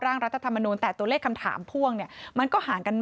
ร่างรัฐธรรมนุนแต่ตัวเลขคำถามพวก